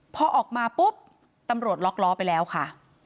พอออกมาปุ๊บตำรวจล็อกล้อไปแล้วค่ะ